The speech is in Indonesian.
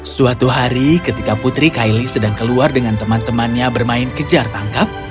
suatu hari ketika putri kylie sedang keluar dengan teman temannya bermain kejar tangkap